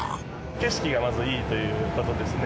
景色がまずいいということですね。